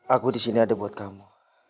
aku di sini ada buat kamu